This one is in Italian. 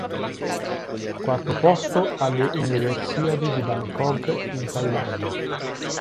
Quarto posto alle Universiadi di Bangkok in Thailandia.